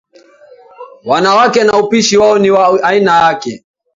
Wanawake na upishi wao ni wa aina yake